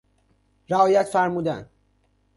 رعایت فرمودن